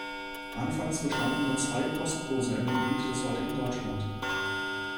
Anfangs bestanden nur zwei Postkurse im Gebiet des heutigen Deutschland.